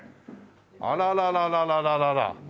あらららららららら。